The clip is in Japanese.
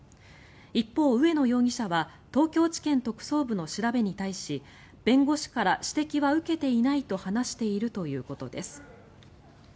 一方、植野容疑者は東京地検特捜部の調べに対し弁護士から指摘は受けていないと話しているということです。